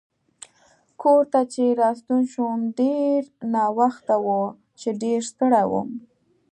کور ته چې راستون شوم ډېر ناوخته و چې ډېر ستړی وم.